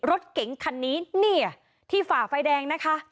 รถเก๋งคันนี้เนี่ยที่ฝ่าไฟแดงนะคะ